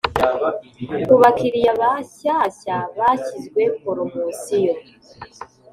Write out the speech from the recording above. Ku bakiriya bashyashya bashyizwe polomosiyo.